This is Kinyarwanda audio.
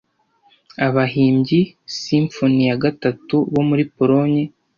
Abahimbyi simfoni ya gatatu bo muri Polonye